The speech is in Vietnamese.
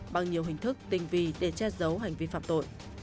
bằng nhiều hình thức tình vì để che giấu hành vi phạm tội